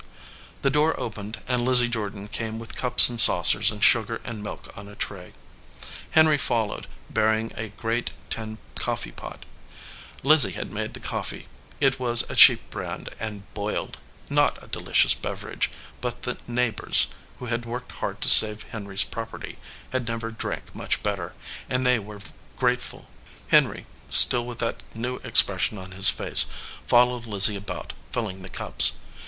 The door opened, and Lizzie Jordan came with cups and saucers and sugar and milk on a tray. Henry followed, bearing a great tin coffee pot. Lizzie had made the coffee. It was a cheap brand and boiled not a delicious beverage, but the neighbors, who had worked hard to save Henry s property, had never drank much better, and they were grateful. Henry, still with that new expres sion on his face, followed Lizzie about, filling the cups.